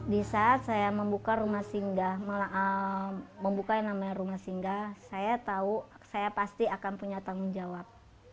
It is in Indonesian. di saat saya membuka rumah singga saya tahu saya pasti akan punya tanggung jawab